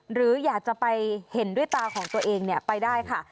หรืออยากจะไปเห็นด้วยตาของตัวเองไปได้ค่ะ